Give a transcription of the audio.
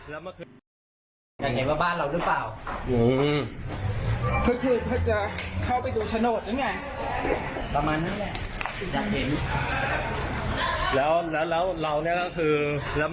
อ๋อรอโปะใช่ไหม